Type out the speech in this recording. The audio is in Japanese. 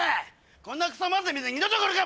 こんなクソまずい店二度と来るか！